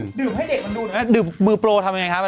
ดื่มให้เด็กมันดูนะดื่มมือโปรทำยังไงครับ